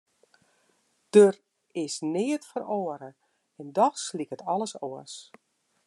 Der is neat feroare en dochs liket alles oars.